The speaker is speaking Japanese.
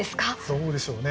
どうでしょうね。